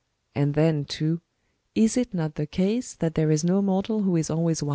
And then, too, is it not the case that there is no mortal who is always wise